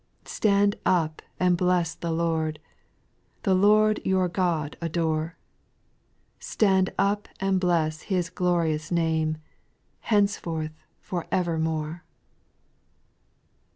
5. Stand up, and bless the Lord, The Lord your God adore ; Stand up, and bless His glorious name, Henceforth for evermore.